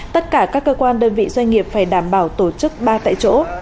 tất cả các cơ quan đơn vị doanh nghiệp phải đảm bảo tổ chức ba tại chỗ